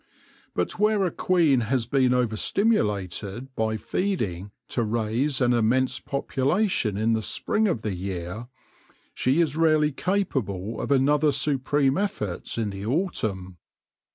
But where a queen has been over stimulated by feeding to raise an immense population in the spring of the year, she is rarely capable of another supreme effort in the autumn.